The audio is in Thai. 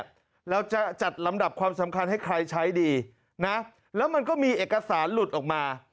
แล้วจะจัดลำดับความสำคัญให้ใครใช้ดีนะแล้วมันก็มีเอกสารหลุดออกมา